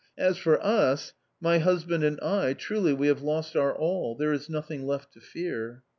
As for us, my husband and I, truly, we have lost our all. There is nothing left to fear!"